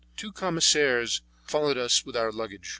Two commissionaires followed us with our luggage.